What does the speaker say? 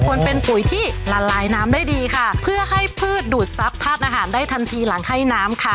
ควรเป็นปุ๋ยที่ละลายน้ำได้ดีค่ะเพื่อให้พืชดูดซับธาตุอาหารได้ทันทีหลังให้น้ำค่ะ